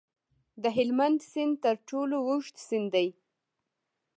د هلمند سیند تر ټولو اوږد سیند دی